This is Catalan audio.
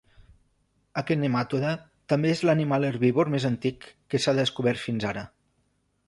Aquest nematode també és l'animal herbívor més antic que s'ha descobert fins ara.